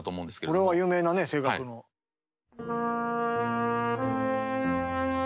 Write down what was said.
これは有名なね声楽の。へ！